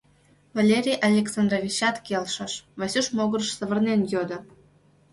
— Валерий Александровичат келшыш, Васюш могырыш савырнен йодо.